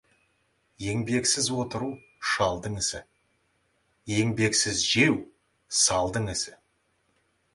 Еңбексіз отыру — шалдың ісі, еңбексіз жеу — салдың ісі.